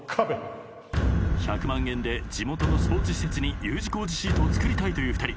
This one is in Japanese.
１００万円で地元のスポーツ施設にＵ字工事シートを作りたいという２人。